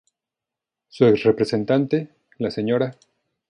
Su ex representante, la Sra.